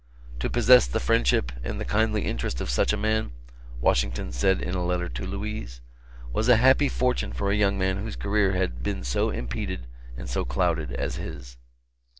To possess the friendship and the kindly interest of such a man, Washington said in a letter to Louise, was a happy fortune for a young man whose career had been so impeded and so clouded as his.